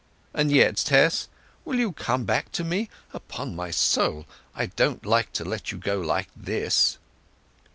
And yet, Tess, will you come back to me! Upon my soul, I don't like to let you go like this!"